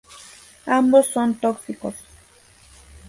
Ambos son tóxicos.